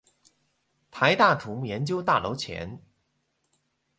臺大土木研究大樓前